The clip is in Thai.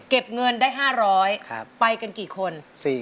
เก็บเงินได้๕๐๐บาทไปกันกี่คน